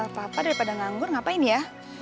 papa daripada nanggur ngapain ya